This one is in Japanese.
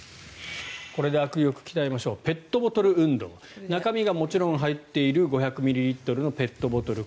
これで握力を鍛えましょうペットボトル運動中身がもちろん入っている５００ミリリットルのペットボトル